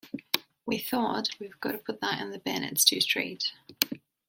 We thought, 'We've gotta put that in the bin, it's too straight.